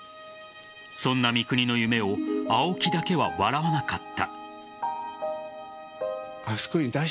そんな三國の夢を青木だけは笑わなかった。